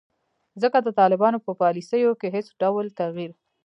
ځکه د طالبانو په پالیسیو کې هیڅ ډول تغیر